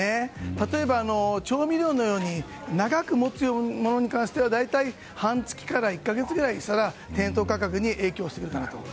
例えば、調味料のように長くもつものに関しては大体、半月から１か月くらいで店頭価格に影響するかなと。